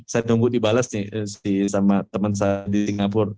saya nunggu dibalas sama teman saya di singapura